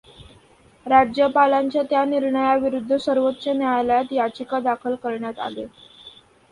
राज्यपालांच्या त्या निर्णयाविरुद्ध सर्वोच्च न्यायालयात याचिका दाखल करण्यात आली.